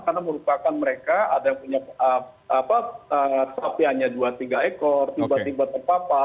karena merupakan mereka ada yang punya sapi hanya dua tiga ekor tiba tiba terpapar